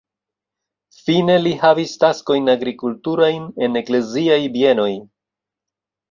Fine li havis taskojn agrikulturajn en ekleziaj bienoj.